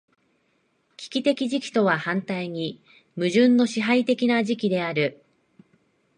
危機的時期とは反対に矛盾の支配的な時期である。